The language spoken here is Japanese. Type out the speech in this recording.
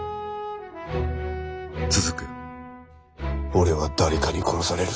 俺は誰かに殺される。